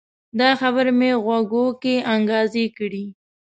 دا خبرې مې غوږو کې انګازې کړي